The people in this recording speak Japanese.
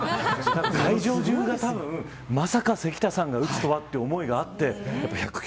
会場中が、まさか関田さんが打つとはという思いがあって１０９